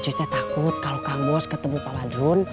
kamu takut kalau mukanya ketemu pak badrun